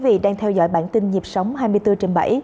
quý vị đang theo dõi bản tin nhịp sống hai mươi bốn trên bảy